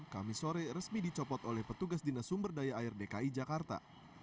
kami sore resmi dicopot oleh petugas dinas sumber daya air dki jakarta